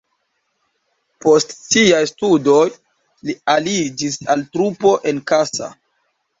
Post siaj studoj li aliĝis al trupo en Kassa.